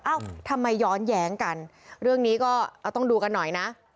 ทำไมย้อนแย้งกันเรื่องนี้ก็เอาต้องดูกันหน่อยนะ